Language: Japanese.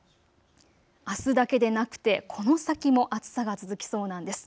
あすだけでなくて、この先も暑さが続きそうなんです。